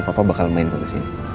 papa bakal main kok disini